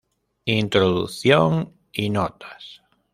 Introducción y Notas.